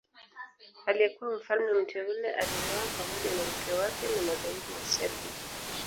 Aliyekuwa mfalme mteule aliuawa pamoja na mke wake na magaidi wa Serbia